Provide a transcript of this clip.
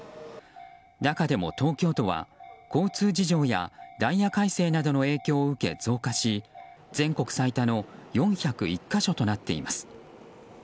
中でも東京都は交通事情やダイヤ改正などの影響を受け増加し全国最多の４０１か所となっています。